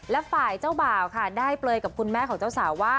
และฝ่ายเจ้าบ่าวค่ะได้เปลยกับคุณแม่ของเจ้าสาวว่า